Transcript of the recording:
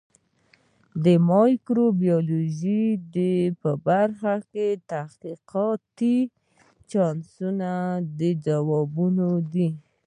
د مایکروبیولوژي په برخه کې تحقیقات د چالشونو ځوابونه دي.